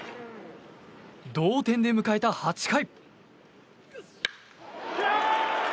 同点で迎えた８回。